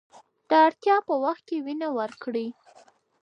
د اړتیا په وخت کې وینه ورکړئ.